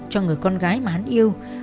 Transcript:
cho người con gái mà hắn yêu